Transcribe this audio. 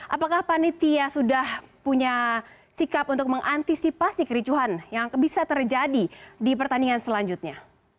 apakah panitia sudah punya sikap untuk mengantisipasi kericuhan yang bisa terjadi di pertandingan selanjutnya